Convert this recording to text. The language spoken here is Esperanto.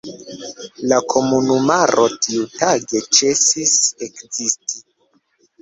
La komunumaro tiutage ĉesis ekzisti.